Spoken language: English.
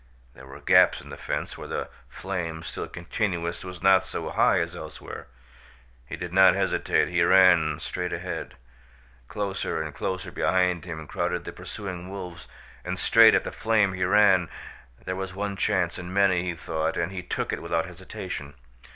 There were gaps in the fence where the flame, still continuous, was not so high as elsewhere. He did not hesitate. He ran straight ahead. Closer and closer behind him crowded the pursuing wolves, and straight at the flame he ran. There was one chance in many, he thought, and he took it without hesitation.